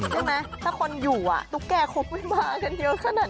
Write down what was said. ใช่ไหมถ้าคนอยู่ตุ๊กแก่ครบไม่มากันเยอะขนาดนั้น